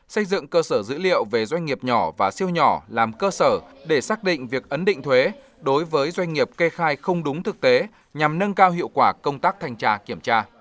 xây dựng cơ sở dữ liệu về doanh nghiệp nhỏ và siêu nhỏ làm cơ sở để xác định việc ấn định thuế đối với doanh nghiệp kê khai không đúng thực tế nhằm nâng cao hiệu quả công tác thanh tra kiểm tra